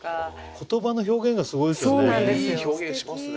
言葉の表現がすごいですよね。